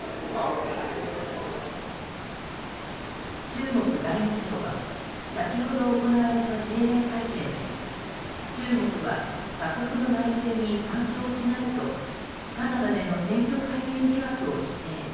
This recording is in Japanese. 中国外務省は先ほど行われた定例会見で中国は他国の内政に干渉しないとカナダでの選挙介入疑惑を否定。